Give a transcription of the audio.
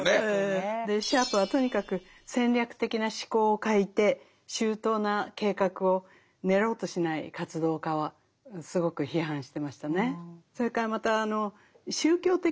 シャープはとにかく戦略的な思考を欠いて周到な計画を練ろうとしない活動家はすごく批判してましたね。